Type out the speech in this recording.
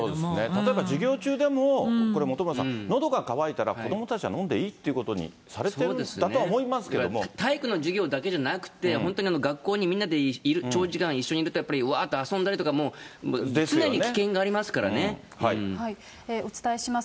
例えば授業中でも本村さん、のどが渇いたら子どもたちは飲んでいいということにされているん体育の授業だけじゃなくって、本当に学校にみんなで長時間一緒にいると、わーっと遊んだりとか、お伝えします。